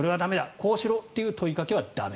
こうしろという問いかけは駄目。